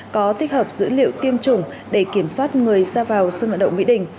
có tích hợp dữ liệu tiêm chủng để kiểm soát người ra vào sân vận động mỹ đình